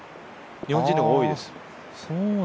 日本人の方が多いです。